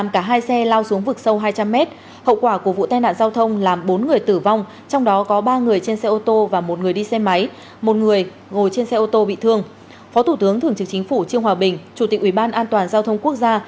cả hai xe lao xuống vực sâu hai trăm linh m hậu quả của vụ tai nạn giao thông làm bốn người tử vong trong đó có ba người trên xe ô tô và một người đi xe máy một người ngồi trên xe ô tô bị thương